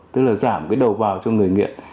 tức là giảm cái đầu vào cho người nghiện